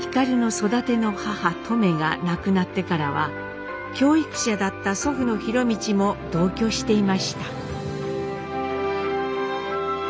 皓の育ての母トメが亡くなってからは教育者だった祖父の博通も同居していました。